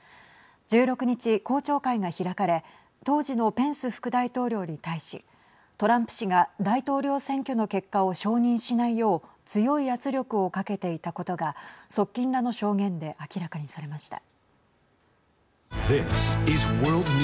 １６日、公聴会が開かれ当時のペンス副大統領に対しトランプ氏が大統領選挙の結果を承認しないよう強い圧力をかけていたことが側近らの証言で明らかにされました。